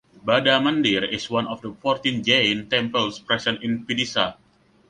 Bada Mandir is one of the fourteen Jain temples present in Vidisha.